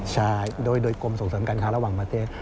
ใช่โดยกรมส่งเสริมการค้าระหว่างประเทศ